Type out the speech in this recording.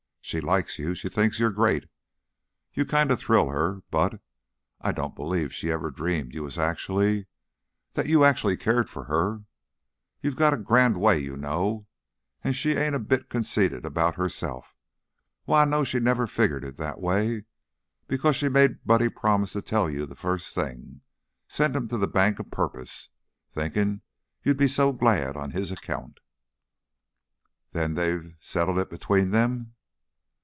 She likes you. She thinks you're great. You kinda thrill her, but I don't believe she ever dreamed you was actually that you actually cared for her. You've got a grand way, you know, and she ain't a bit conceited about herself. Why, I know she never figgered it that way, because she made Buddy promise to tell you the first thing; sent him to the bank a purpose, thinking you'd be so glad on his account." "Then they've settled it between them?"